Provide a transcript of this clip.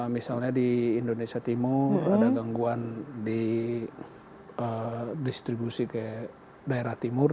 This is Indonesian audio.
misalnya di indonesia timur ada gangguan di distribusi ke daerah timur